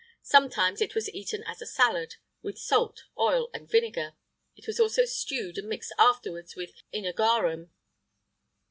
Sometimes it was eaten as a salad, with salt, oil, and vinegar.[IX 77] It was also stewed, and mixed afterwards with œnogarum.